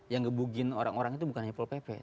yang ngebugin orang orang itu bukan hanya volpepek